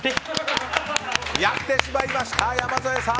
やってしまいました、山添さん。